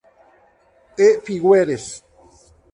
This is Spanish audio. E. Figueres.